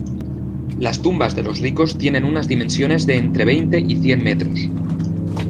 Las tumbas de los ricos tienen unas dimensiones de entre veinte y cien metros.